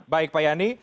baik pak yani